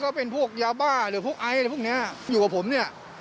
พวกเป็นพวกยาบ้าหรือพวกไอซ์อะไรพวกนี้อยู่กับผมเนี่ย